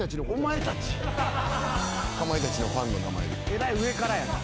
えらい上からやな。